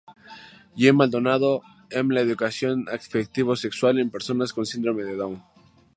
Gea Maldonado, M. La Educación afectivo-sexual en personas con Síndrome de Down.